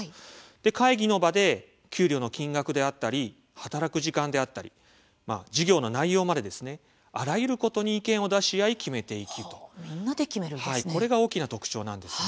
会議の場で給料の金額であったり働く時間であったり事業の内容まであらゆることに意見を出し合い決めていくこれが大きな特徴です。